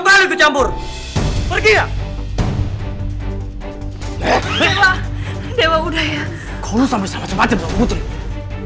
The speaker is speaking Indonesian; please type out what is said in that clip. baru campur kita ekor dewa dewa udah ya kalau sampai sama sabar ngomong putri abis altijd bullshit